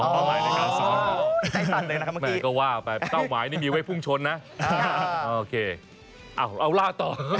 อ๋อใจตันเลยนะครับเมื่อกี้ก็ว่าไปเป้าหมายนี่มีไว้ฟุ่งชนนะอ่าเอาล่าต่อ